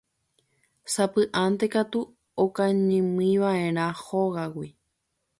Sapy'ánte katu okañýmiva'erã hógagui.